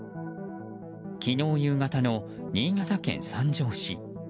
昨日夕方の新潟県三条市。